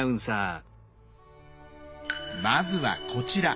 まずはこちら。